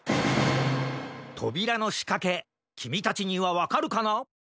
とびらのしかけきみたちにはわかるかな？